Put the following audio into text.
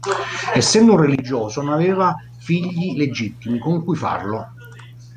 Essendo un religioso, non aveva figli legittimi con cui farlo.